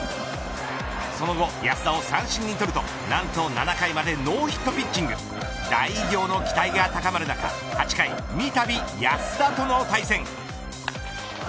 その後安田を三振に取ると何と７回までノーヒットピッチング大偉業の期待が高まる中、８回三度、安田との対戦。